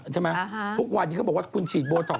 ใช่ไหมทุกวันก็บอกว่าคุณฉีดโบตอค